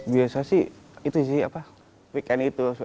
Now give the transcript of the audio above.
biasa sih itu sih weekend itu